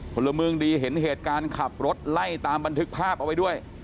พลเมืองดีเห็นเหตุการณ์ขับรถไล่ตามบันทึกภาพเอาไว้ด้วย